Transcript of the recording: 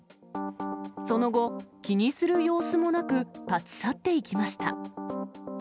その後、気にする様子もなく、立ち去って行きました。